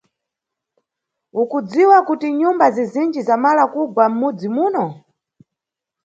Ukudziwa kuti nyumba zizinji zamala kugwa mʼmudzi muno?